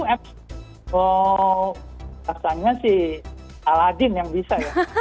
maka sepertinya aladin yang bisa